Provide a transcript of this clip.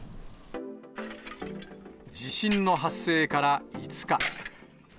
地震の発生から５日。